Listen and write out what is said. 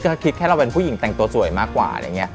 ก็คิดแค่เราเป็นผู้หญิงแต่งตัวสวยมากกว่าอะไรอย่างนี้